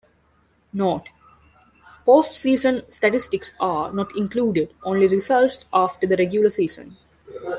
Note: Postseason statistics are not included, only results after the regular season.